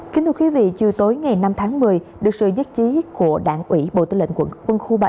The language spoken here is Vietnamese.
kính thưa quý vị chiều tối ngày năm tháng một mươi được sự nhất trí của đảng ủy bộ tư lệnh quận quân khu bảy